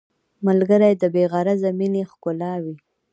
ملګری د بې غرضه مینې ښکلا وي